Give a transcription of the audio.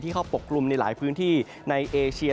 เข้าปกกลุ่มในหลายพื้นที่ในเอเชีย